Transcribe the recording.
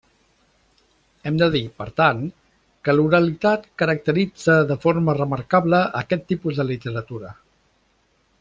Hem de dir, per tant, que l'oralitat caracteritza de forma remarcable aquest tipus de literatura.